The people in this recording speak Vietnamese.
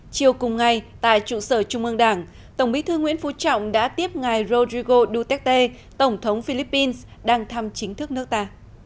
chiều cùng ngày tại trụ sở trung ương đảng tổng bí thư nguyễn phú trọng đã tiếp ngài rodrigo duterte tổng thống philippines đang thăm chính thức nước ta